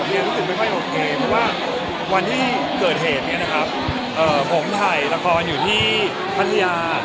เพราะว่าวันที่เกิดเหตุเนี่ยนะครับผมถ่ายละครอยู่ที่ภัทยา